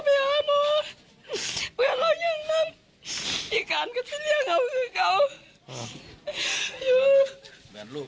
ในแรงก็เคียดอยู่